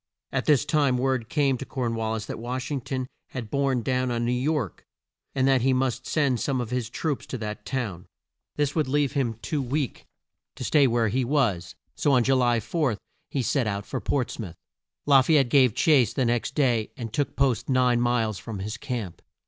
At this time word came to Corn wal lis that Wash ing ton had borne down on New York and that he must send some of his troops to that town. This would leave him too weak to stay where he was, so on Ju ly 4 he set out for Ports mouth. La fay ette gave chase the next day and took post nine miles from his camp.